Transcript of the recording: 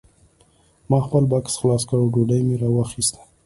ما خپل بکس خلاص کړ او ډوډۍ مې راواخیسته